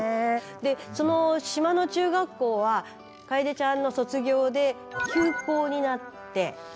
でその島の中学校は楓ちゃんの卒業で休校になって。